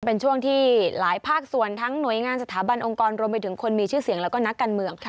เป็นช่วงที่หลายภาคส่วนทั้งหน่วยงานสถาบันองค์กรรวมไปถึงคนมีชื่อเสียงแล้วก็นักการเมืองค่ะ